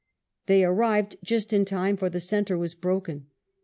They arrived just in time, for the centre was broken.